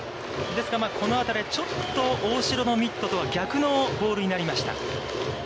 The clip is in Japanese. ですが、この辺り、ちょっと大城のミットとは逆のボールになりました。